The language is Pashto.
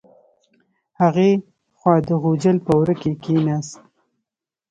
هغې خوا د غوجل په وره کې کیناست.